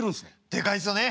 でかいですよね。